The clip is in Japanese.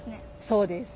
そうです。